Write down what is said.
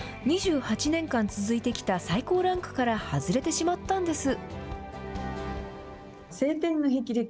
２８年間続いてきた最高ランクから外れてしまったんです。